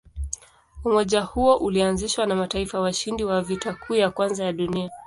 Umoja huo ulianzishwa na mataifa washindi wa Vita Kuu ya Kwanza ya Dunia.